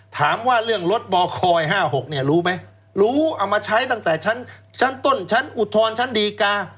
ถามว่าเรื่องรถบคอย๕๖เนี่ยรู้ไหมรู้เอามาใช้ตั้งแต่ชั้นต้นชั้นอุทธรณ์ชั้นดีกา